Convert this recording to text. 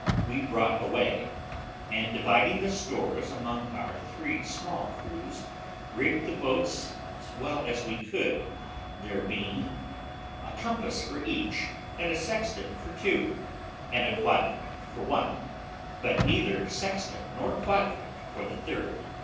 we brought away; and, dividing the stores among our three small crews, rigged the boats as well as we could; there being a compass for each, and a sextant for two, and a quadrant for one, but neither sextant nor quadrant for the third.